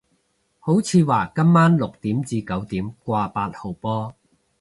好似話今晚六點至九點掛八號波